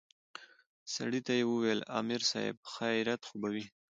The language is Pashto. سړي ته يې وويل امر صايب خيريت خو به وي.